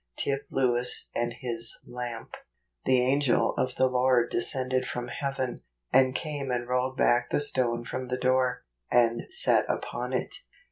Tip Lewis and His Lamp. " The angel of the Lord descended from heaven , and came and rolled back the stone from the door, and sat upon it."